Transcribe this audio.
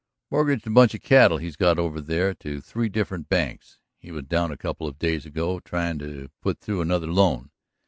"Mortgaged a bunch of cattle he's got over there to three different banks. He was down a couple of days ago tryin' to put through another loan.